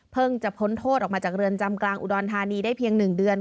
จะพ้นโทษออกมาจากเรือนจำกลางอุดรธานีได้เพียง๑เดือน